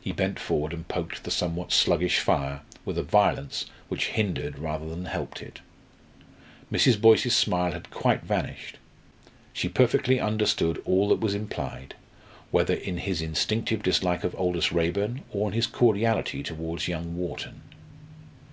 He bent forward and poked the somewhat sluggish fire with a violence which hindered rather than helped it. Mrs. Boyce's smile had quite vanished. She perfectly understood all that was implied, whether in his instinctive dislike of Aldous Raeburn, or in his cordiality towards young Wharton.